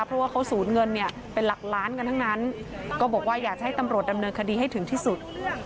เพราะว่าเขาสูญเงินเนี่ยเป็นหลักล้านกันทั้งนั้นก็บอกว่าอยากจะให้ตำรวจดำเนินคดีให้ถึงที่สุด